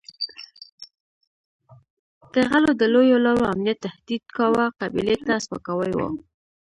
که غلو د لویو لارو امنیت تهدید کاوه قبیلې ته سپکاوی وو.